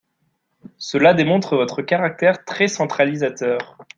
Cela démontre votre caractère très centralisateur.